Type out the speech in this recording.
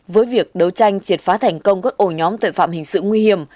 với việc đấu tranh triệt phá thành công các ổ nhóm tội phạm hình sự nguy hiểm